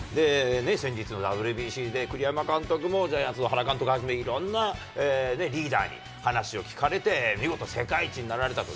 先日のＷＢＣで、栗山監督も、ジャイアンツの原監督をはじめ、いろんなリーダーに話を聞かれて、見事、世界一になられたと。